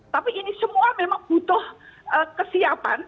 tapi ini semua memang butuh kesiapan